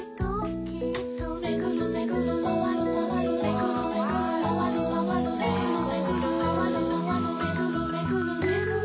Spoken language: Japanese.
「めぐるめぐるまわるまわる」「めぐるめぐるまわるまわる」「めぐるめぐるまわるまわる」「めぐるめぐるめぐる」